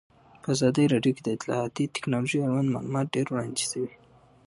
په ازادي راډیو کې د اطلاعاتی تکنالوژي اړوند معلومات ډېر وړاندې شوي.